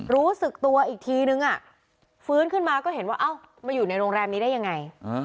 รู้สึกตัวอีกทีนึงฟื้นขึ้นมาก็เห็นว่าเอ้ามาอยู่ในโรงแรมนี้ได้ยังไง